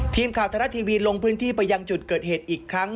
ทีมข่าวไทยรัฐทีวีลงพื้นที่ไปยังจุดเกิดเหตุอีกครั้ง